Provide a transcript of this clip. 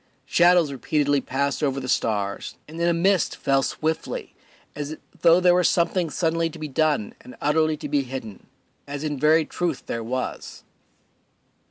Shadows repeatedly passed over the stars, and then a mist fell swiftly, as though there were something suddenly to be done and utterly to be hidden, as in very truth there was.